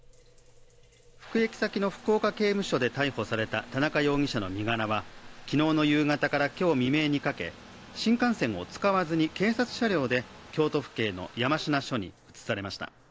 服役先の福岡刑務所で逮捕された田中容疑者の身柄は昨日の夕方から今日未明にかけ新幹線を使わずに警察車両で京都府警の山科署に移されました。